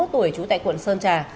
sáu mươi một tuổi trú tại quận sơn trà